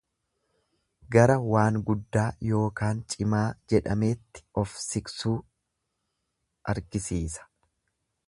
Gara waan guddaa yookaan cimaa jedhameetti of siqsuu argisiisa.